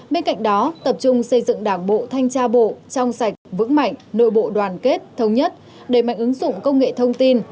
bộ trong sạch vững mạnh nội bộ đoàn kết thống nhất để mạnh ứng dụng công nghệ thông tin